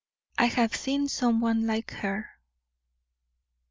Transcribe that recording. "I HAVE SEEN SOME ONE LIKE HER."